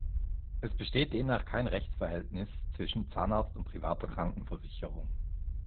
Es besteht demnach kein Rechtsverhältnis zwischen Zahnarzt und privater Krankenversicherung.